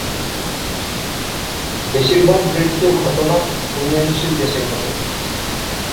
বেশিরভাগ মৃত্যুর ঘটনা উন্নয়নশীল দেশে ঘটে।